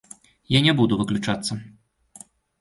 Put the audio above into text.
Я не буду выключацца.